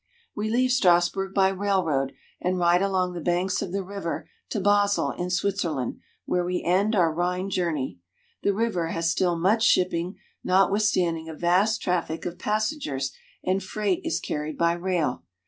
We leave Strass burg by railroad, and ride along the banks of the river to Basel in Switzer land, where we end our Rhine journey. The river has still much shipping, not withstanding a vast traffic of passen gers and freight is carried by rail.